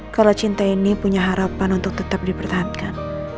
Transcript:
kalau cinta ini punya harapan untuk tetap dipertahankan